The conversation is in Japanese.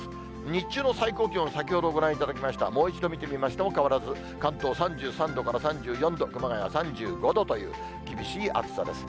日中の最高気温、先ほどご覧いただきました、もう一度見てみましても変わらず、関東３３度から３４度、熊谷３５度という厳しい暑さです。